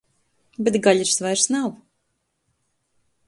Bet gaļas vairs nav.